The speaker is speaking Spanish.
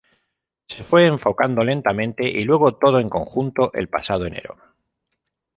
Se fue enfocando lentamente y luego todo en conjunto el pasado enero".